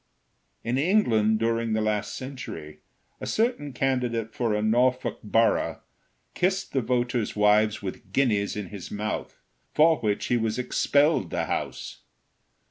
In England, during the last century, a certain candidate for a Norfolk borough kissed the voters' wives with guineas in his mouth, for which he was expelled the House.